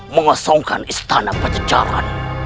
mengesongkan istana pajajaran